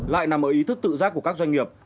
lại nằm ở ý thức tự giác của các doanh nghiệp